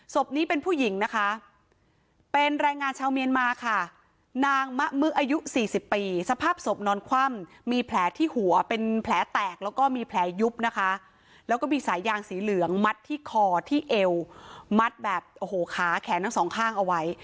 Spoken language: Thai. ศพนี้เป็นผู้หญิงนะคะเป็นแรงงานชาวเมียนมาค่ะนางมะมึอายุสี่สิบปีสภาพศพนอนคว่ำมีแผลที่หัวเป็นแผลแตกแล้วก็มีแผลยุบนะคะแล้วก็มีสายยางสีเหลืองมัดที่คอที่เอวมัดแบบโอ้โหขาแขนทั้งสองข้างเอาไว้